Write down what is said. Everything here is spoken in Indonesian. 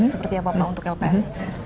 seperti apa pak untuk lps